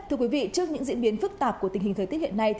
thưa quý vị trước những diễn biến phức tạp của tình hình thời tiết hiện nay